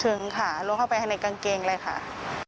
ถึงค่ะล้วงเข้าไปให้ในกางเกงเลยค่ะ